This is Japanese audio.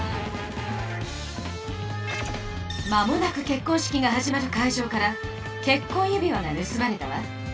間もなく結婚式が始まる会場から結婚指輪が盗まれたわ。